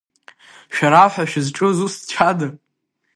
Шәара ҳәа шәызҿу зусҭцәада?